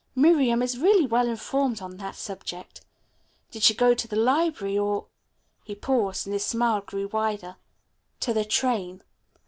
Miriam is really well informed on that subject. Did she go to the library or" he paused and his smile grew wider "to the train?"